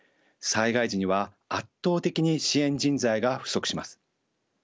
災害時には圧倒的に支援人材が不足します。